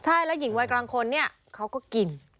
ใช่แล้วก็หญิงวัยกลางคนเขาก็กิน